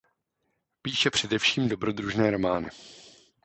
Píše především dobrodružné romány.